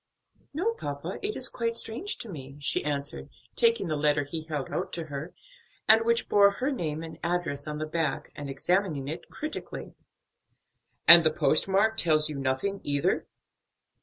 "No, papa, it is quite strange to me," she answered, taking the letter he held out to her, and which bore her name and address on the back, and examining it critically. "And the post mark tells you nothing either?"